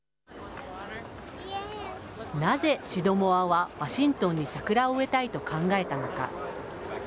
なぜシドモアはワシントンに桜を植えたいと考えたのか。